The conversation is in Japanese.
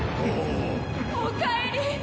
おかえり！